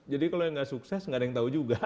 jadi kalau yang gak sukses gak ada yang tau juga